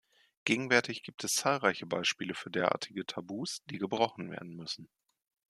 Gegenwärtig gibt es zahlreiche Beispiele für derartige Tabus, die gebrochen werden müssen.